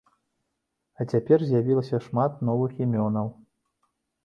А цяпер з'явілася шмат новых імёнаў.